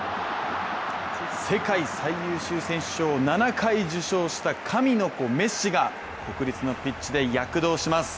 世界最優秀選手賞を７回受賞した神の子、メッシが国立のピッチで躍動します。